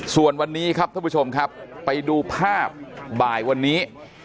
ส่วนวันนี้ครับท่านผู้ชมครับไปดูภาพบ่ายวันนี้